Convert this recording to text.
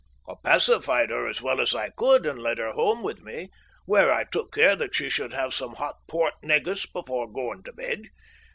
I pacified her as well as I could, and led her home with me, where I took care that she should have some hot port negus before going to bed.